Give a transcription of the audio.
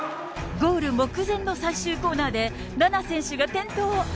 ゴール目前の最終コーナーで、菜那選手が転倒。